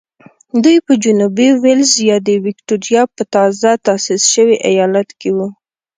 دوی په جنوبي وېلز یا د ویکټوریا په تازه تاسیس شوي ایالت کې وو.